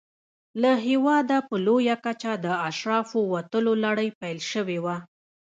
له هېواده په لویه کچه د اشرافو وتلو لړۍ پیل شوې وه.